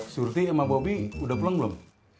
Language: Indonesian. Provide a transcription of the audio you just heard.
surti sama bobi udah pulang belum